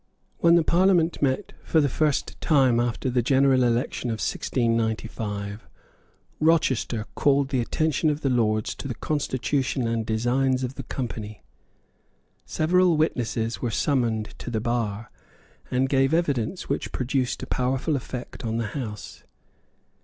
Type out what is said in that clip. When the Parliament met for the first time after the general election of 1695, Rochester called the attention of the Lords to the constitution and designs of the Company. Several witnesses were summoned to the bar, and gave evidence which produced a powerful effect on the House.